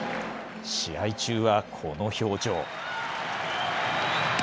試合中はこの表情。